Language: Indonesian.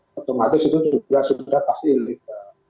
kebetulan itu juga sudah pasti illegal